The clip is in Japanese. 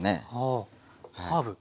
あハーブ。